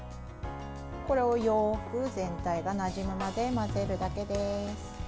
これをよく全体がなじむまで混ぜるだけです。